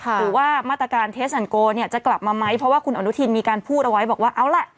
หรือว่ามาตรการเทสฮันโกเนี่ยจะกลับมาไหมเพราะว่าคุณอนุทินมีการพูดเอาไว้บอกว่าเอาล่ะ